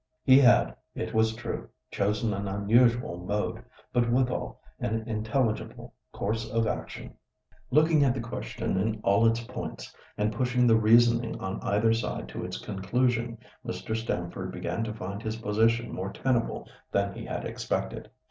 He had, it was true, chosen an unusual mode, but withal an intelligible course of action. Looking at the question in all its points, and pushing the reasoning on either side to its conclusion, Mr. Stamford began to find his position more tenable than he had expected.